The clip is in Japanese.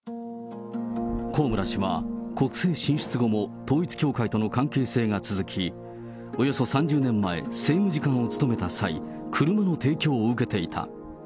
高村氏は国政進出後も、統一教会との関係が続き、およそ３０年前、政務次官を務めた際、車の提供を受けていた。